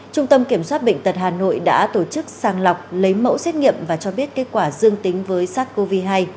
trung tâm kiểm soát bệnh tật hà nội đã tổ chức sàng lọc lấy mẫu xét nghiệm và cho biết kết quả dương tính với sars cov hai